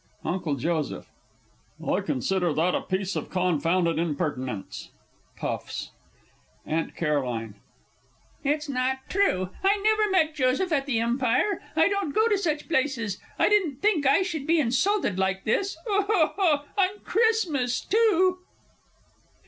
UNCLE J. I consider that a piece of confounded impertinence! [Puffs. AUNT C. It's not true. I never met Joseph at the Empire. I don't go to such places. I didn't think I should be insulted like this (Weeps) on Christmas too!